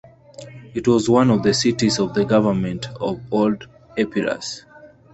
It was one of the cities of the government of old Epirus.